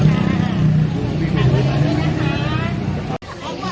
อัศวินิสัมภาษาอัศวินิสัมภาษา